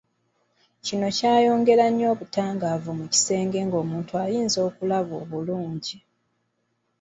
Kino kyayongera nnyo obutangaavu mu kisenge ng'omuntu ayinza okulaba obulungi.